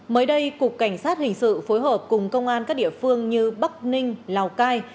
mới đây cục cảnh sát hình sự phối hợp cùng công an các địa phương như bắc ninh lào cai